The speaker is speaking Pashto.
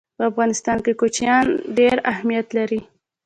په افغانستان کې کوچیان ډېر اهمیت لري.